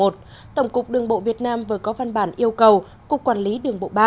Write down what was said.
tổng cục đường bộ việt nam vừa có văn bản yêu cầu cục quản lý đường bộ ba